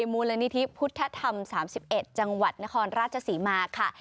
มูลนิธิพุทธธรรม๓๑จังหวัดนครราชศรีมาค่ะ